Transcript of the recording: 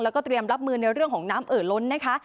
แล้วก็เตรียมรับมือในเรื่องของน้ำเอ่อล้นนะคะ